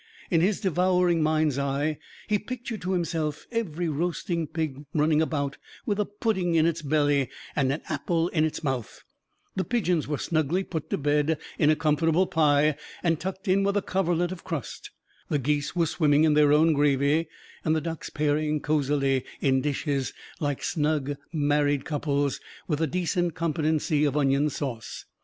In his devouring mind's eye, he pictured to himself every roasting pig running about, with a pudding in its belly and an apple in its mouth; the pigeons were snugly put to bed in a comfortable pie and tucked in with a coverlet of crust; the geese were swimming in their own gravy, and the ducks pairing cosily in dishes, like snug married couples, with a decent competency of onion sauce.